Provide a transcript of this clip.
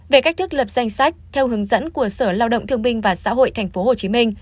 về cách thức lập danh sách theo hướng dẫn của sở lao động thương binh và xã hội tp hcm